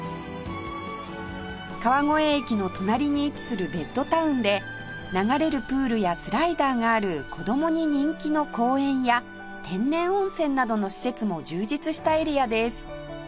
川越駅の隣に位置するベッドタウンで流れるプールやスライダーがある子供に人気の公園や天然温泉などの施設も充実したエリアです